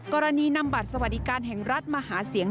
กรณีนำบัตรสวัสดิการแห่งรัฐมาหาเสียง